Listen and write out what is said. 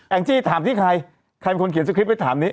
แอ็งจี้ถามที่ใครใครใครเป็นคนเขียนสะคริบไว้ถามนิ